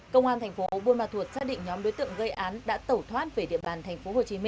công an tp bun ma thuột xác định nhóm đối tượng gây án đã tẩu thoát về địa bàn tp hcm